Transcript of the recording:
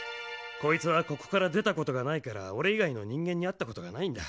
こいつはここからでたことがないからおれいがいのにんげんにあったことがないんだ。